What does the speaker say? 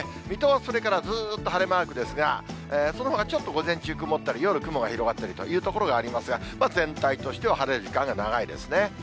水戸はそれからずっと晴れマークですが、そのほかちょっと午前中、曇ったり、夜、雲が広がったりということがありますが、全体としては晴れる時間が長いですね。